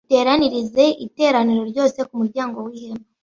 uteranirize iteraniro ryose ku muryango w ihema